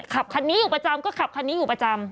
ขับคันนี้อยู่ประจำก็ขับคันนี้อยู่ประจำ